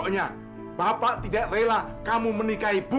lebih baik kamu bunuh ibu